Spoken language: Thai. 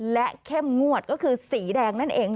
และเข้มงวดก็คือสีแดงนั่นเอง